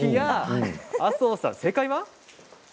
麻生さん、正解は。